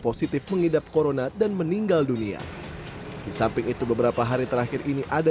positif mengidap corona dan meninggal dunia di samping itu beberapa hari terakhir ini ada